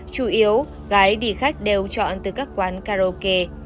chủ yếu gái đi khách đều chọn từ các quán karaoke